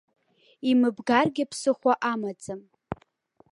Имыбгаргьы ԥсыхәа амаӡам.